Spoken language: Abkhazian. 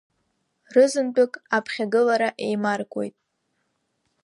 Рызынтәык аԥхьагылара еимаркуеит.